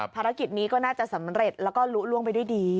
ภารกิจนี้ก็น่าจะสำเร็จแล้วก็ลุล่วงไปด้วยดี